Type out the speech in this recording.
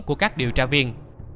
của các điều tra viên